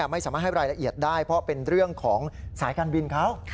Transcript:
ไม่สามารถให้รายละเอียดได้เพราะเป็นเรื่องของสายการบินเขา